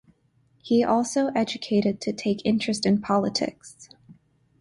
He also educated to take interest in politics.